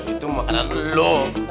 itu makanan lo